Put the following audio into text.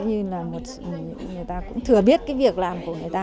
hầu như đã xách can rượu người ta cũng thừa biết việc làm của người ta